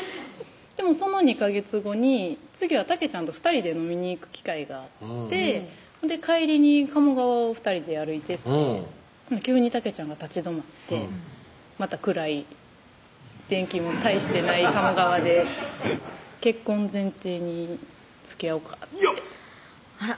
でもその２ヵ月後に次はたけちゃんと２人で飲みに行く機会があって帰りに鴨川を２人で歩いてて急にたけちゃんが立ち止まってまたくらい電気も大してない鴨川で「結婚前提につきあおか」っていやっ！